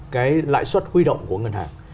cái lãi suất huy động của ngân hàng